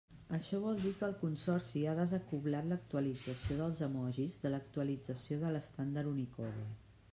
Això vol dir que el consorci ha desacoblat l'actualització dels emojis de l'actualització de l'estàndard Unicode.